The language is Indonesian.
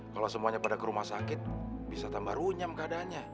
kalau semuanya pada ke rumah sakit bisa tambah runyam keadaannya